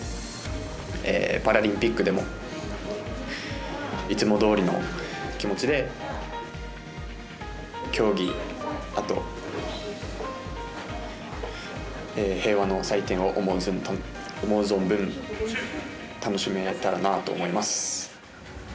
パラリンピックでもいつもどおりの気持ちで競技、平和の祭典を思う存分楽しめたらなと思います。